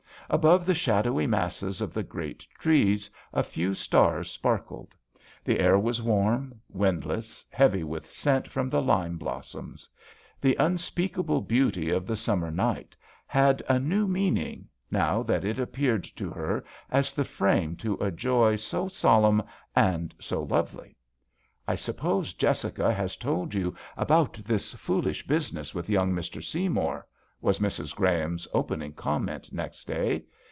Above the shadowy masses of the great trees a few stars sparkled ; the air was warm, windless, heavy with scent from the lime blossoms. The unspeakable beauty of the summer night had a new meaning now that it appeared to her as the frame to a joy so solemn and so lovely. '^I suppose Jessica has told you about this foolish business with young Mr. Seymour ?" was Mrs. Graham's opening comment next day.